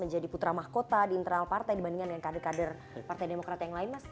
menjadi putra mahkota di internal partai dibandingkan dengan kader kader partai demokrat yang lain mas